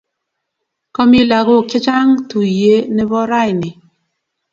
Komii lakok che chang tuyee ne bo raini.